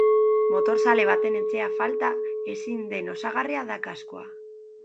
Motorzale baten etxean falta ezin den osagarria da kaskoa.